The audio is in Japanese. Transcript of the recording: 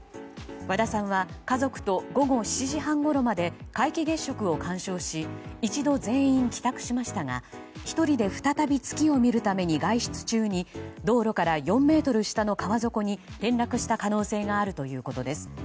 和田さんは家族と午後７時半ごろまで皆既月食を観賞し一度、全員帰宅しましたが１人で再び月を見るために外出中に道路から４ｍ下の川底に転落した可能性があるということです。